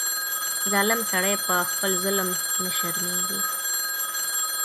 ظالم سړی په خپل ظلم نه شرمېږي.